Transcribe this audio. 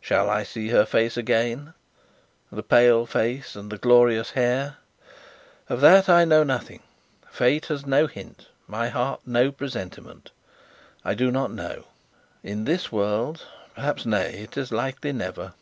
Shall I see her face again the pale face and the glorious hair? Of that I know nothing; Fate has no hint, my heart no presentiment. I do not know. In this world, perhaps nay, it is likely never.